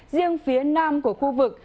riêng phía nam của khu vực